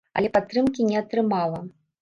Але падтрымкі не атрымала.